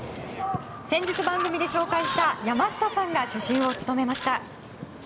先日番組で紹介した山下さんが主審を務めました。